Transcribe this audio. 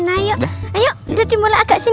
ayo udah dimulai